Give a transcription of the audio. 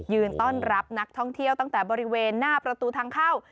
ต้อนรับนักท่องเที่ยวตั้งแต่บริเวณหน้าประตูทางเข้า